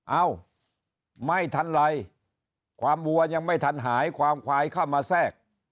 เอ้าไม่ทันไรความวัวยังไม่ทันหายความควายเข้ามาแทรก